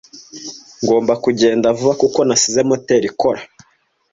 Ngomba kugenda vuba kuko nasize moteri ikora.